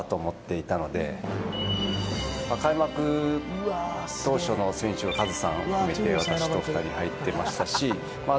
開幕当初の選手はカズさんを含めて私と２人入ってましたしまあ